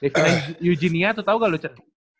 davina eugenia tuh tau gak lo cet